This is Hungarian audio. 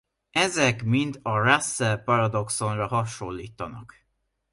Ezek mind a Russell-paradoxonra hasonlítanak.